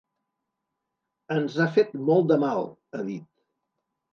Ens ha fet molt de mal, ha dit.